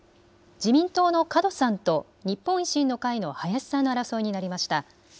自民党の門さんと日本維新の会の林さんの争いになりました。